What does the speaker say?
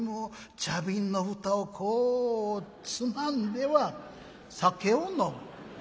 茶瓶の蓋をこうつまんでは酒を飲む。